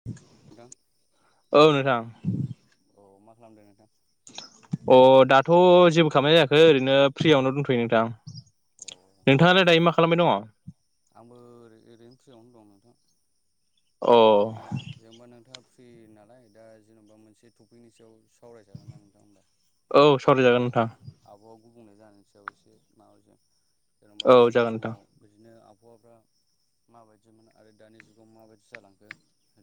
[unintelligible] दां औ नोंथां अ मा खालामदों नोंथां? अ दाथ' जेबो खालामनाय जायाखै ओरैनो फ्रियावनो दंथैयो नोंथां। अ नोंथाङालाय दायो मा खालामनाय दङ? आंबो ओरै ओरैनो फ्रियावनो दं नोंथां। माने जोंबा नोंथाङा फ्रि नालाय दा जेन'बा मोनसे टपिकनि सायाव सावरायजागोन ना नोंथां होमबा? औ सावराय जागोन नोंथां। आबहावा गुबुंनाय जानायनि सायाव एसे माब जेनेबा सिगां समाव बिदिनो आबहावाफ्रा माबायदिमोन आरो दानि जुगाव माबायदि जालांखो?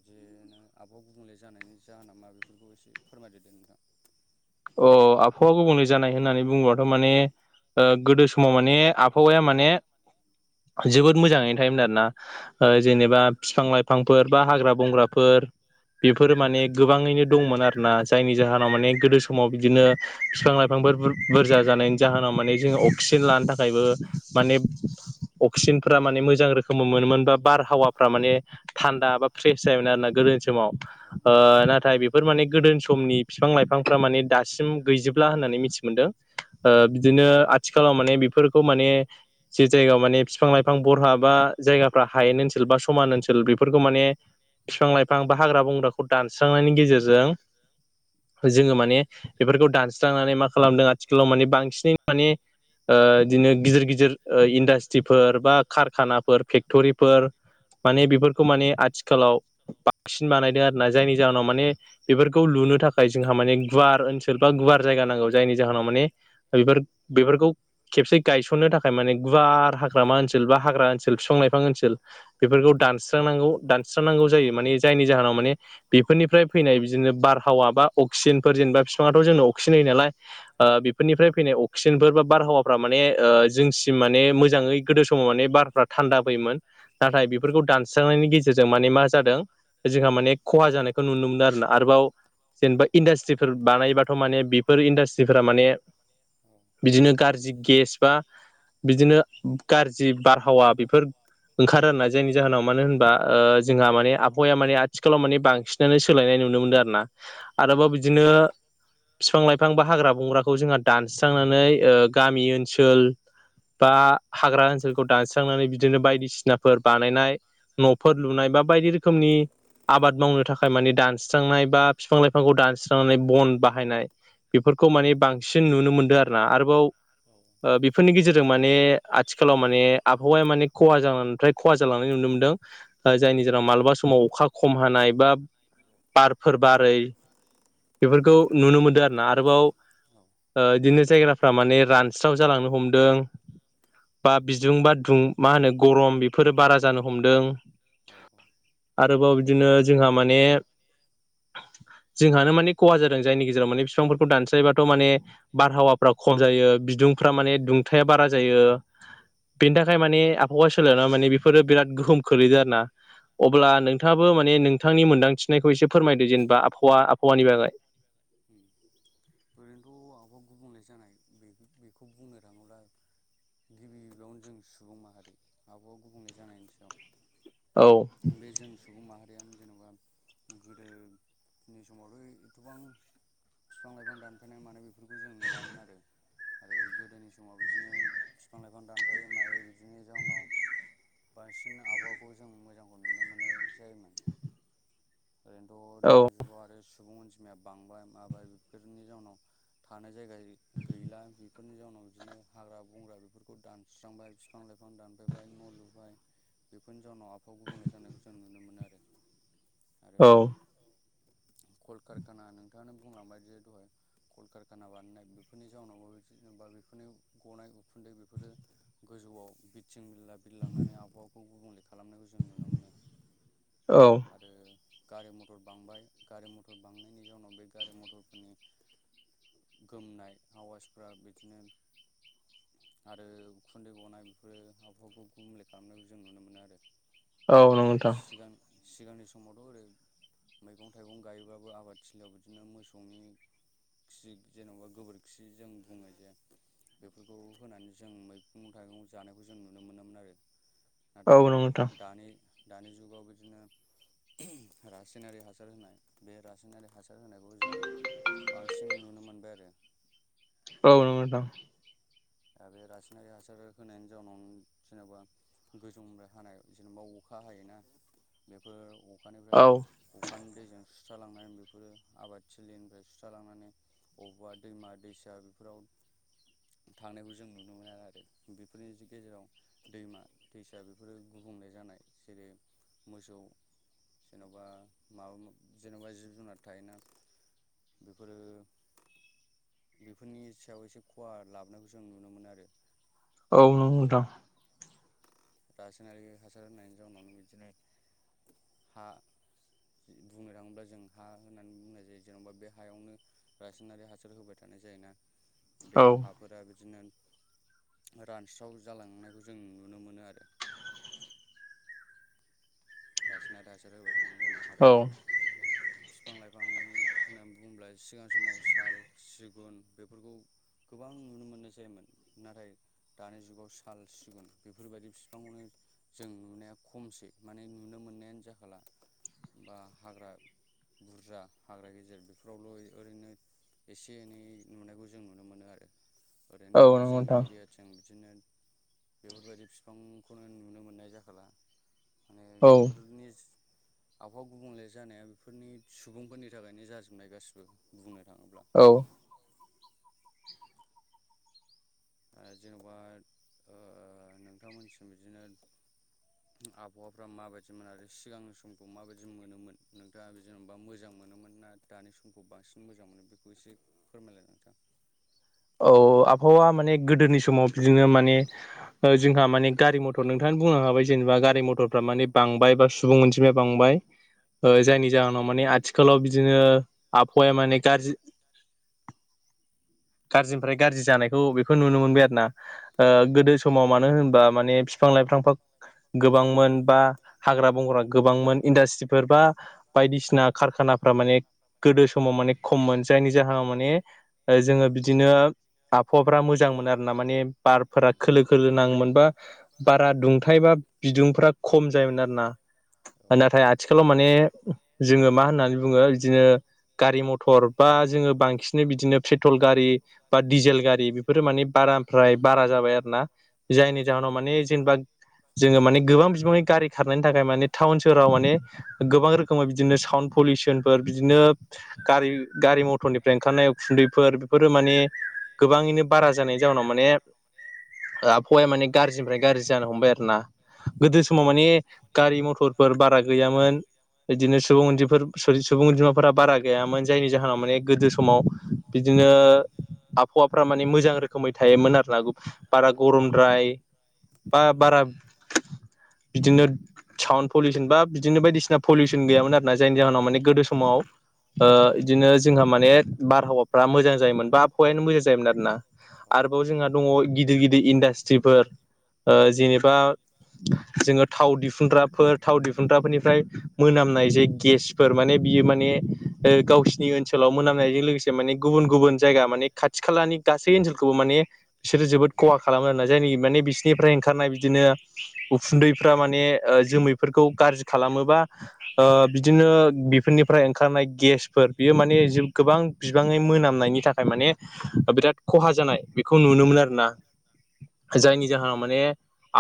जे नों आब' गुबुंले जानायनि जा नामा बेफोरखौ एसे फोरमायदो नोंथां। अ आबहावा गुबुंले जानाय होननानै बुङोबाथ' माने गोदो समाव माने आबहावाया माने जोबोद मोजाङैनो थायोमोन आरो ना। जेनेबा फिफां लाइफांफोर बा हाग्रा बंग्राफोर बेफोरो माने गोबाङैनो दंमोन आरो ना जायनि जाहोनाव माने गोदो समाव बिदिनो बिफां लाइफांफोर बुरजा जानायनि जाहोनाव माने जोंङो अक्सिजेन लानो थाखायबो माने अक्सिजेनफ्रा माने मोजां रोखोम मोनोमोन बा बारहावाफ्रा माने थान्दा बा प्रेस जायोमोन आरोना गोदोनि समाव नाथाय बेफोर माने गोदो समनि बिफां लाइफां फोरा माने दासिम गैजोबला होननानै मिथि मोनदों ओ बिदिनो आथिखालाव माने बेफोरखौ माने जे जायगायाव माने बिफां लाइफां बरहा बा जायगाफ्रा हायेन ओनसोल बा समान ओनसोल बेफोरखौ माने बिफां लाइफां बा हाग्रा बंग्राखौ दानस्रांनायनि गेजेरजों जोङो माने बेफोरखौ दानस्रांनानै मा खालामदों आथिखालाव माने बांसिनै माने बिदिनो गिदिर गिदिर इन्डास्ट्रिफोर बा कारखानाफोर फेक्टरिफोर माने बेफोरखौ माने आथिखालाव बांसिन बानायदों आरोना जायनि जाहोनाव माने बेफोरखौ लुनो थाखाय जाय जोंहा माने गुवार ओनसोल बा गुवार जायगा नांगौ जायनि जाहोनाव मानेफोर बेफोरखौ खेबसे गायसननो थाखाय माने गुवार हाग्रामा ओनसोल बा हाग्रा ओनसोल बिफां लाइफां ओनसोल बेफोरखौ दानस्रांनांगौ दानस्रांनांगौ जायो माने जायनि जाहोनाव माने बेफोरनिफ्राय फैनाय बिदिनो बारहावा बा अक्सिजेनफोर जेनेबा बिफाङथ' जोंनो अक्सिजेन होयो नालाय। बेफोरनिफ्राय फैनाय अक्सिजेनफोर बा बारहावाफ्रा माने जोंसिम माने मोजाङै गोदो समाव माने बार थान्दा फैयोमोन नाथाय बेफोरखौ दानस्रांनायनि गेजेरजों माने मा जादों? जोंहा माने खहा जानायखौ नुनो मोनो आरोना आरोबाव जेनेबा इन्डासट्रिफोर बानायबाथ' माने बेफोर इन्डासट्रिफोरा माने बिदिनो गाज्रि गेस बा बिदिनो गाज्रि बारहावा बेफोर ओंखारो आरो ना जायनि जाहोनाव मानो होनबा जोंहा माने आबहावाया माने आथिखालाव माने बांसिन नानो सोलायनाय नुनो मोनदों आरो ना। आरोबाव बिदिनो बिफां लाइफां बा हाग्रा बंग्राखौ जोंहा दानस्रांनानै गामि ओनसोल बा हाग्रा ओनसोलखौ दानस्रांनानै बिदिनो बायदिसिनाफोर बानायनाय न'फोर लुनाय बा बायदि रोखोमनि आबाद मावनो थाखाय मानिे दानस्रांनाय बा बिफां लाइफांखौ दानस्रांनानै बन बाहायनाय बेफोरखौ माने बांसिन नुनो मोनदों आरो ना आरोबाव औ बेफोरनि गेजेरजों माने आथिखालाव माने आबहावाया माने खहा जालांफ्राय खहा जालांनाय नुनो मोनदों। जायनि जाहनाव मालाबा समाव अखा खम हानाय बा बारफोर बारै बेफोरखौ नुनो मोनदों आरो ना आरोबाव बिदिनो जायगाफ्रा माने रानस्राव जालांनो हमदों बा बिदुं बा दुं मा होनो गरम बेफोरो बारा जानो हमदों औ औ आरोबाव बिदिनो जोंहा माने जोंहानो माने खहा जादों जायनि गेजेराव माने बिफांफोरखौ दानस्रायबाथ' माने बारहावाफ्रा खम जायो बिदुंफ्रा माने दुंथाया बारा जायो। बेनि थाखाय माने आबहावा सोलायना माने बेफोरो बिराद गोहोम खोलैदों आरो ना अब्ला नोंथाङाबो माने नोंथांनि मोन्दांथिनायखौ एसे फोरमायदो जेनेबा आबहावा आबहावानि बागै बहबा गुबुंले जानाय बे बेखौ बुंनो थाङोब्ला गिबि गिबियावनो जों सुबुं माहारि आबहावा गुबुंले जानायनि सायाव औ बेजों सुबुं माहारियानो जेन'बा गोदोनि समावथ' एथबां बिफां लाइफां दानफायनाय मान बे बेफोरखौ जों नुवामोन आरो आरो गोदोनि समाव बिदिनो बिफां लाइफां दानफायै मायै बिदिनो जाउनाव बांसिन आबहावाखौ जों मोजांखौ नुनो मोननाय जायोमोन ओरैनोथ' दानि जुगाव आरो सुबुं अनजिमाया बांबाय माबाय बेफोरनि जाउनाव थानाय जायगा गैला बेफोरनि जाउनाव बिदिनो हाग्रा बंग्रा बेफोरखौ दान सुस्रांबाय बिफां लाइफां दानफैबाय न' लुबाय बेफोरनि जाउनाव आफाव गुबुंले जानायखौ जों नुनो मोनो आरो आरो कलकारखाना नोंथाङानो बुंलांबायाद दहाय कलक खाना बानायनाय बेफोरनि जाउनाव बा बेफोरनि गनाय उखुन्दै बेफोरो गोजौआव बिरथिं बिरला बिरलांनानै आबहावाखौ गुबुंले खालामनायखौ जों नुनो मोनो औ आरो गारि मटर बांबाय गारि मटर बांनायनि जाउनाव बे गारि मथरफोरनि गोमनाय आवासफ्रा बिदिनो आरो उखुन्दै गनाय बेफोरो आबहावाखौ गुबुंले खालामनायखौ जों नुनो मोनो आरो आरो सिगां सिगांनि समावथ' ओरै मैगं थाइगं गायोब्लााबबो आबाद थिलियाव बिदिनो मोसौनि खि जेन'बा गोबोरखि जों बुङो जे बेफोरखौ होनानै जों मैगं थाइगं जानायखौ जों नुनो मोनोमोन आरो नाथाय दानि दानि जुगाव बिदिनो रासायनारि हासार होनाय बे रासायनारि हासार होनायखौ जों बांसिन नुनो मोनबाय आरो औ नोंथां दे दा बे रासायनारि हासार होनायनि जाउनाव जेनेबा गोजौनिफ्राय हानाय जेनेबा अखा हायोना बेफोर अखानिफ्राय अखानि दैजों सुस्रालांनानै बेफोरो आबादथिलिनिफ्राय सुस्रालांनानै अबावबा दैमा दैसा बेफोराव थांनायखौ जों नुनो मोनो आरो बेफोरनि गेजेराव दैमा दैसा बेफोरो गुबुंले जानाय जेरै मोसौ जेन'बा माबा जेनेबा जिब जुनार थायोना बेफोरो बेफोरनि सायाव एसे खहा लाबो हारनायखौ जों नुनो मोनो आरो औ नंगौ नोंथां रासायनारि हासार होनायनायनि जाउनाव बिदिनो हा बुंनो थाङोब्ला जों हा होननानै बुंनाय जायो जेनेबा बे हायावनो रासनारि हासार होबाय थानाय जायोना बे हाफोरा बिदिनो रानस्राव जालांनायखौ जों नुनो मोनो आरो रायसायनारि हासार होबाय थानायनि जाहोनाव आरो फिफां लाइफां होननानै बुङोब्ला सिगां समाव साल सिगुन बेफोरखौ गोबां नुनो मोननाय जायोमोन नाथाय दानि जुगाव साल सिगुन बेफोरबायदि फिफांखौनो जों नुनाया खमसै माने नुनो मोननायानो जाखाला बा हाग्रा बुरजा हाग्रा गेजेर बेफोरावल' ओरैनो एसे एनै नुनायखौ जों नुनो मोनो आरो ओरैनोथ' जोंनि एरिया जों बिदिनो बेफोरबायदि बिफांखौनो नुनो मोननाय जाखाला माने बेफोरनि आबहावा गुबुंले जानाया बेफोरनि सुबुंफोरनि थाखायनो जाजोबनाय बुंनो थाङोब्ला औ ओ जेन'बा ओ नोंथांमोनसिम बिदिनो आबहावाफ्रा माबायदिमोन आरो सिगांनि समखौ माबायदि मोनोमोन नों दा जेनेबा मोजां मोनोमोन ना दानि समखौ बांसिन मोजां मोनो बेखौ एसे फोरमायलाय नोंथां औ आबहावा माने गोदोनि समाव बिदिनो माने ओ जोंहा माने गारि मटर नोंथांङानो बुंलांखाबाय जेनबा गारि मटर मटरफोरा माने बांबाय बा सुबुं अनजिमाया बांबाय ओ जायनि जाहोनाव माने आथिखालाव आथिखालाव बिदिनो आबहावाया माने गाज्रि गाज्रिनिफ्राय गाज्रि जानायखौ बेखौ नुनो मोनबाय आरो ना ओ गोदो समाव मानो होनबा माने बिफां लाइफांफ्रा गोबांमोन बा हाग्रा बंग्रा गोबांमोन इन्डास्ट्रिफोर बा बायदिसिना खारखानाफ्रा माने गोदो समाव माने खममोन जायनि जाहोनाव माने ओ जोङो बिदिनो आबहावाफ्रा मोजां मोनो आरोना माने बारफोरा खोलो खोलो नाङोमोन बा बारा दुंथाय बा बिदुंफ्रा खम जायोमोन आरोना नाथाय आ आथिखालाव माने जोङो मा होननानै बुङो बिदिनो गारि मटर बा जोङो बांसिन बिदिनो पेट्रल गारि बा डिजेल गारि बेफोरो माने बारानिफ्राय बारा जाबाय आरोना जायनि जाहोनाव माने जेनबा जोङो माने गोबां बिबांनि गारि खारनायनि थाखाय माने टाउन सोहोराव माने गोबां रो एखोमा बिदिनो साउड पलिउसनफोर बिदिनो गारि गारि मटरनिफ्राय ओंखारनाय उखुन्दैफोर बेफोरो माने गोबाङैनो बारा जानायनि जाउनाव माने आब आबवाया माने गाज्रिनिफ्राय गाज्रि जानो हमबाय आरो ना गोदो समाव माने गारि मटरफोर बारा गैयामोन। इदिनो सुबुं उनजिफोर सरि सुबुं अनजिमाफोरा बारा गैयामोन जायनि जाहोनाव माने गोदो समाव बिदिनो आबहावाफ्रा माने मोजां रोखोमै थायोमोन आरो ना बारा गरमद्राय बा बारा बिदिनो साउन्ड पलिउसन बा बिदिनो बायदिसिना पलिउसन गैयामोन आरोना जाय जाहोनाव माने गोदो समाव ओ बिदिनो जोंहा माने बारहावाफ्रा मोजां जायोमोन बा आबहावायानो मोजां जायोमोन आरोना आरोबाव जोंहा दङ गिदिर गिदिर इन्डास्ट्रिफोर ओ जेनेबा जोङो थाव दिहुनग्राफोर थाव दिहुनग्राफोरनिफ्राय मोनामनाय जे गेस फोर माने बियो माने गावसिनि ओनसोलाव मोनामनायजों लोगोसे माने गुबुन गुबुन जायगा माने खाथि खालानि गासै ओनसोलखौबो माने बिसोरो जोबोद खहा खालामो आरोना जायनाखि माने बिसिरनिफ्राय ओंखारनाय बिदिनो उखुन्दैफ्रा माने जोमैफोरखौ गाज्रि खालामोबा ओ बिदिनो बेफोरनिफ्राय ओंखारनाय गेसफोर बियो माने जि गोबां बिबाङै मोनामनायनि थाखाय माने बिराद खहा जानाय बेखौ नुनो मोन आरोना। जायनि जाहोनाव माने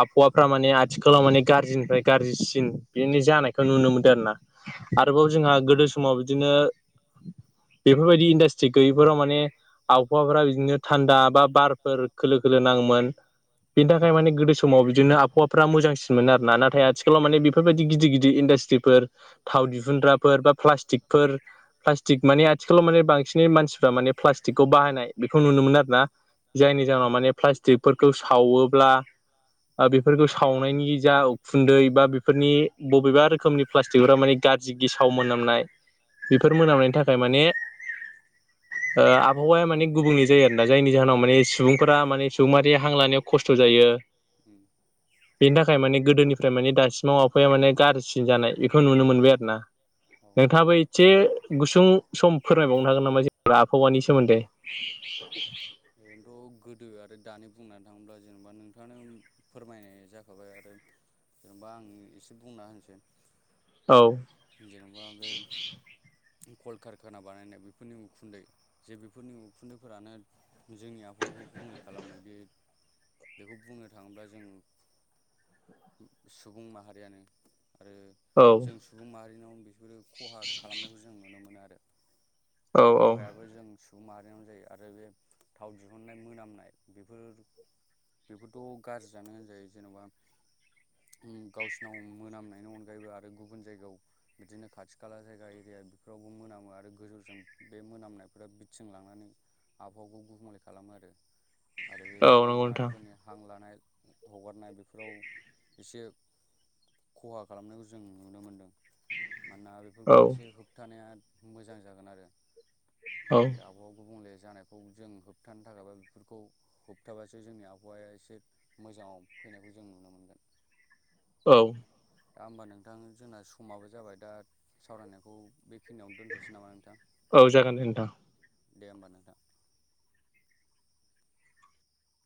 आबहावाफ्रा माने आथिखालाव माने गाज्रिनिफ्राय गाज्रिसिन बेनि जानायखौ नुनो मोनदों आरो ना आरोबाव जोंहा गोदो समाव बिदिनो बेफोरबायदि इन्डास्ट्रि गैयिफोराव माने आबाहावाफ्रा बिदिनो थान्दा बा बारफोर खोलो खोलो नांङोमोन। बेनि थाखाय माने गोदो समाव बिदिनो आबाहावाफोरा मोजांसिन मोनो आरोन ना आथिखालाव मान बेबायदि गिदिर गिदिर इन्डास्ट्रि बेफोर थाव दिहुनग्राफोर बा प्लगथिगफोर प्लागथिग माने आथिखालाव माने बांसिनै मानसिफ्रा माने प्लास्टिकखौ बाहायनाय बेखौ नुनो मोन आरो ना जायनि जाहोनाव माने प्लास्टिकफोरखौ सावोब्ला बेफोरखौ सावनायनि जा उखुन्दै बा बेफोरनि बबेबा रोखोमनि प्लास्टिकफोरा माने गाज्रि गेसाव मोनामनाय बेफोर मोनामनायनि थाखाय माने ओ आबाहावाया माने गुबुंले जायो आरोना जायनि जाहोनाव माने सुबुंफोरा माने सुबुं माहारिया हां लानायाव खस्थ' जायो। उम बेनि थाखाय माने गोदोनिफ्राय माने दासिमाव आबाहाया माने गाज्रिसिन जानाय बेखौ नुनो मोनबाय आरो ना नोंथांङाबो एसे गुसुं सम फोरमायबावनो हागोन नामा जेनेबा आबाहावानि सोमोन्दै ओरैनोथ खौ गोदो आरो दानि बुंनानै थांङोब्ला जेनेबा नोंथांङानो फोरमायनाय जाखाबाय आरो जेनेबा आं एसे बुंना होनोसै जेनेबा बे कलकारखाना बानायनाय बेफोरनि उखुन्दै जे बेफोरनि उखुन्दैफोरानो जोंनि आबाहावाखौ गुबुंले खालामो बे बेखौ बुंनो थांङोब्ला जों सुबुं माहारियानो आरो जों सुबुं माहारिनाव बेफोरो खहा खालामनायखौ जों नुनो मोनो आरो खहायाबो जों सुबुं माहारियावनो जायो आरो बे थाव दिहुननाय मोनामनाय बेफोर बेफोरथ' गाज्रि जानो होनजायो जेन'बा उम गावसिनाव मोनामनायनि अनगायैबो आरो गुबुन जायगायाव बिदिनो खाथि खाला जायगा एरिया बेफोरावबो मोनामो आरो गोजौजों बे मोनामनायफोरा बिथिं लांनानै आबहावाखौ गुबुंले खालामो आरो आरो बे सुबुं माहारिफोरनि हां लानाय हगारनाय बेफोराव एसे खहा खालामनायखौ जों नुनो मोनदों मानोना बेफोरखौ एसे होबथानाया मोजां जागोन आरो आबाहावा गुबुंले जानायखौ जों होबथानो थाखायबा बेफोरखौ हबथाबासो जोंनि आबाहावाया एसे मोजांङाव फैनायखौ जों नुनो मोनगोन औ दा होमबा नोंथां जोंना समाबो जाबाय दा सावरायनायखौ बे बे खिनियावनो दोनथ'नोसै नामा नोंथां दे होमबा नोंथां